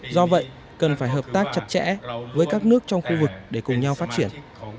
do vậy cần phải hợp tác chặt chẽ với các nước trong khu vực để cùng nhau phát triển